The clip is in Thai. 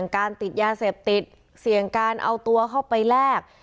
การติดยาเสพติดเสี่ยงการเอาตัวเข้าไปแลก